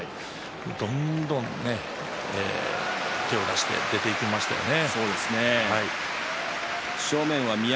どんどん手を出して出ていきましたね。